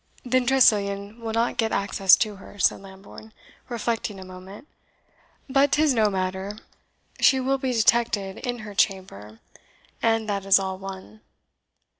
"Then Tressilian will not get access to her," said Lambourne, reflecting a moment. "But 'tis no matter; she will be detected in his chamber, and that is all one.